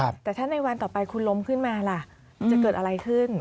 มีอำนาจพรมขึ้นมาแหละจะเกิดอะไรขึ้น